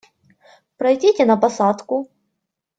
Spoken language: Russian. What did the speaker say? Пройдите на посадку.